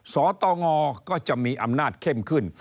สตงก็จะมีอำนาจเข้มขึ้น